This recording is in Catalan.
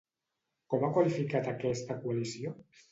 Com ha qualificat aquesta coalició?